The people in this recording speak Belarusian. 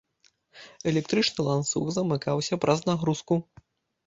Электрычны ланцуг замыкаўся праз нагрузку.